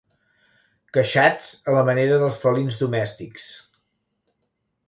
Queixats a la manera dels felins domèstics.